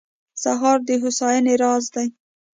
سهار د هوساینې راز دی.